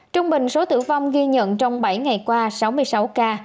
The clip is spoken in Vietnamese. trung bình số tử vong ghi nhận trong bảy ngày qua sáu mươi sáu ca